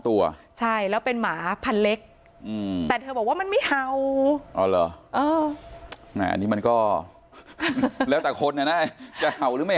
๑๒๑๒๑๒ตัวใช่แล้วเป็นหมาพันเล็กแต่เธอบอกว่ามันไม่เฮาอันนี้มันก็แล้วแต่คนน่ะจะเฮาหรือไม่